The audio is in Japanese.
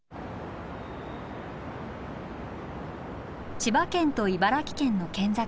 千葉県と茨城県の県境。